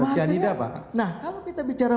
tidak pak nah kalau kita bicara